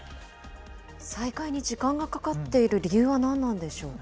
再開に時間がかかっている理由は何なんでしょうか。